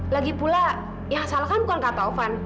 lagi pula yang salah kan bukan kak taufan